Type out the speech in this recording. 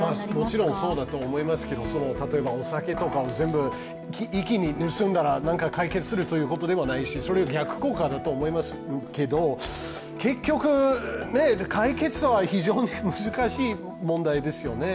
もちろんそうだと思いますけど酒を盗んだらなんか解決するということでもないし、それは逆効果だと思いますけど結局、解決は非常に難しい問題ですよね。